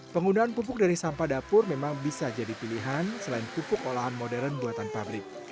penggunaan pupuk dari sampah dapur memang bisa jadi pilihan selain pupuk olahan modern buatan pabrik